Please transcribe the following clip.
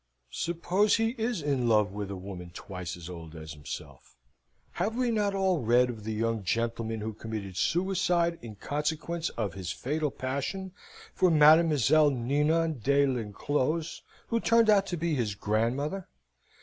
Suppose he is in love with a woman twice as old as himself; have we not all read of the young gentleman who committed suicide in consequence of his fatal passion for Mademoiselle Ninon de l'Enclos who turned out to be his grandmother?